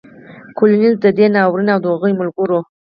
کولینز د دې ناورین او د هغو ملګرو